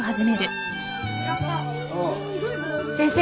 先生。